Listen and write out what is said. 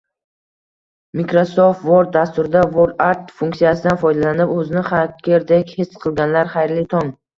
Microsoft Word dasturida WordArt funksiyasidan foydalanib o'zini xakkerdek his qilganlar, xayrli tong!